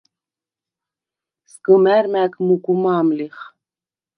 სგჷმა̈რ მა̈გ მუგუ მა̄მ ლიხ.